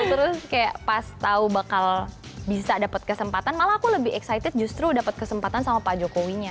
terus kayak pas tau bakal bisa dapat kesempatan malah aku lebih excited justru dapet kesempatan sama pak jokowinya